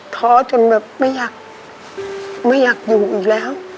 ท้อจนแบบไม่อยากไม่อยากอยู่อีกแล้ว